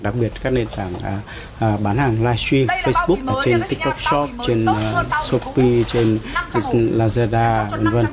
đặc biệt các nền tảng bán hàng live stream facebook trên tiktok shop trên shopee trên lazada v v